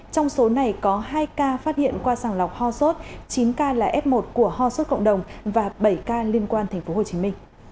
trong số này có hai ca phát hiện qua sàng lọc ho sốt chín ca là f một của ho sốt cộng đồng và bảy ca liên quan tp hcm